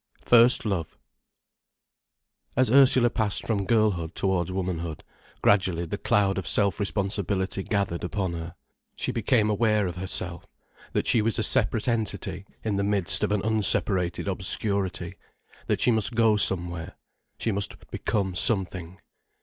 FIRST LOVE As Ursula passed from girlhood towards womanhood, gradually the cloud of self responsibility gathered upon her. She became aware of herself, that she was a separate entity in the midst of an unseparated obscurity, that she must go somewhere, she must become something.